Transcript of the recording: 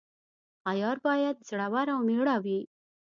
عیار باید زړه ور او میړه وي.